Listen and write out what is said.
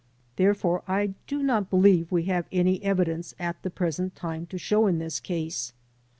Therefore, I do not believe we have any evidence at the present time to show in this case.